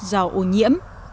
bỏ ô nhiễm